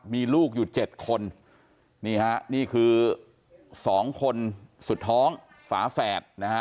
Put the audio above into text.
มีลูกอยู่เจ็ดคนนี่ฮะนี่คือสองคนสุดท้องฝาแฝดนะฮะ